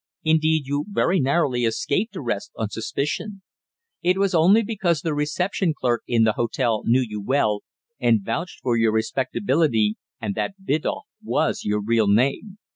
Indeed, you very narrowly escaped arrest on suspicion. It was only because the reception clerk in the hotel knew you well, and vouched for your respectability and that Biddulph was your real name.